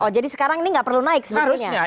jadi sekarang ini nggak perlu naik sebenarnya